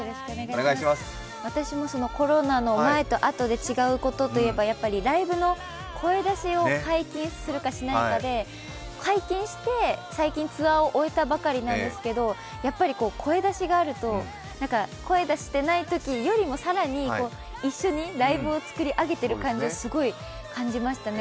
私もコロナの前とあとで違うことといえば、やっぱりライブの声出しを解禁するかしないかで、解禁して最近ツアーを終えたばかりなんですけど、やっぱり声出しがあると声出していないときよりも更に一緒にライブを作り上げてる感じを感じましたね。